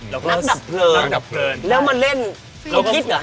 นักดับเพลินแล้วมาเล่นต้องคิดเหรอฮะ